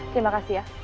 terima kasih ya